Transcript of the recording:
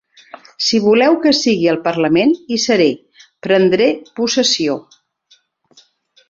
Si voleu que sigui al parlament, hi seré, prendré possessió.